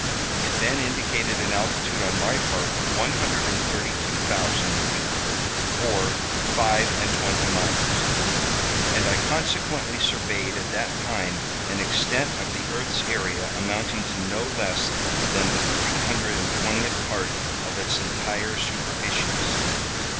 It then indicated an altitude on my part of 132,000 feet, or five and twenty miles, and I consequently surveyed at that time an extent of the earth's area amounting to no less than the three hundred and twentieth part of its entire superficies.